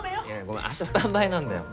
ごめん明日スタンバイなんだよ。